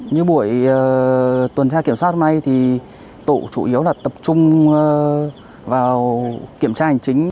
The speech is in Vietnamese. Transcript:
như buổi tuần tra kiểm soát hôm nay thì tổ chủ yếu là tập trung vào kiểm tra hành chính